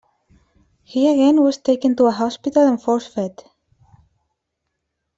He again was taken to a hospital and force-fed.